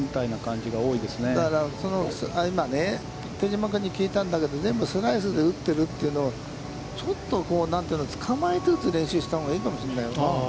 だから、今、手嶋君に聞いたんだけど、全部スライスで打ってるというのを、ちょっと何というの、つかまえて打つ練習をしたほうがいいんじゃないかな。